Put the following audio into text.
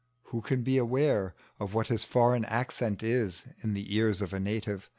Who can be aware of what his foreign accent is in the ears of a native?